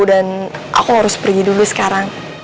dan aku harus pergi dulu sekarang